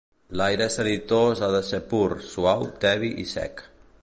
L'aire sanitós ha de ser pur, suau, tebi i sec.